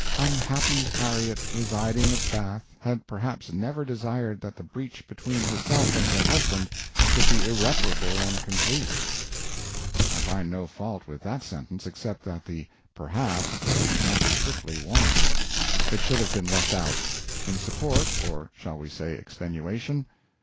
"Unhappy Harriet, residing at Bath, had perhaps never desired that the breach between herself and her husband should be irreparable and complete." I find no fault with that sentence except that the "perhaps" is not strictly warranted. It should have been left out. In support or shall we say extenuation?